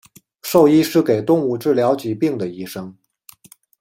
兽医是给动物治疗疾病的医生。